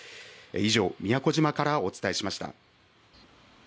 以上、宮古島からお伝えしました。